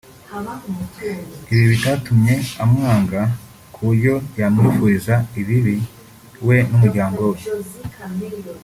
ibi bitatumye amwanga kuburyo yamwifuriza ibibi we n’umuryango we